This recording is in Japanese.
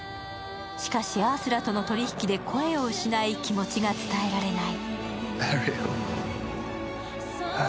しかし、アースラとの取り引きで声を失い、気持ちを伝えられない。